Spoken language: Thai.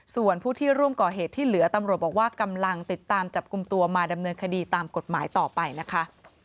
ส่วนผู้ที่ร่วมก่อเหตุที่เหลือตำรวจบอกว่ากำลังติดตามจับกลุ่มตัวมาดำเนินคดีตามกฎหมายต่อไปนะคะ